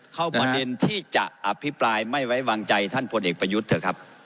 ประเด็นที่จะอภิปรายไม่ไว้วางใจท่านพลเอกประยุทธ์เถอะครับ